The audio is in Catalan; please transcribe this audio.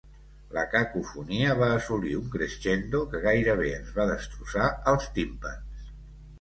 La cacofonia va assolir un crescendo que gairebé ens va destrossar els timpans.